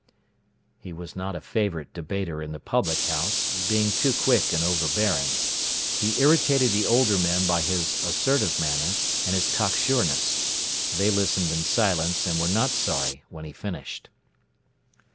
He was not a favourite debater in the public house, being too quick and overbearing. He irritated the older men by his assertive manner, and his cocksureness. They listened in silence, and were not sorry when he finished.